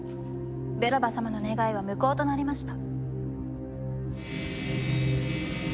ベロバ様の願いは無効となりました。